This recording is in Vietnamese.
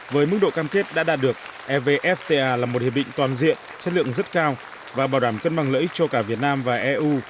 với mức độ cam kết đã đạt được evfta là một hiệp định toàn diện chất lượng rất cao và bảo đảm cân bằng lợi ích cho cả việt nam và eu